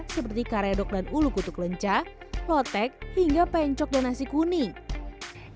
seperti karedok dan ulu kutuk lenca lotek hingga pencok dan nasi kuning